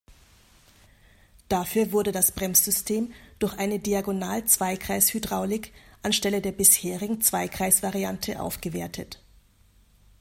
Dafür wurde das Bremssystem durch eine Diagonal-Zweikreis-Hydraulik anstelle der bisherigen Zweikreis-Variante aufgewertet.